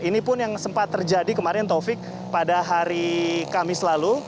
ini pun yang sempat terjadi kemarin taufik pada hari kamis lalu